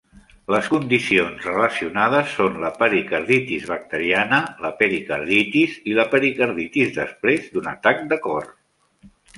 Les condicions relacionades són la pericarditis bacteriana, la pericarditis i la pericarditis després d'un atac de cor.